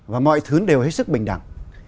và mọi thứ đều hết sức bình đẳng